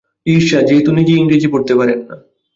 ঈর্ষা– যেহেতু নিজে ইংরেজি পড়তে পারেন না।